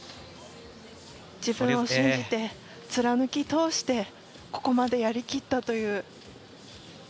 自分を信じて、貫き通してここまでやり切ったという。